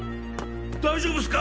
大丈夫っすか。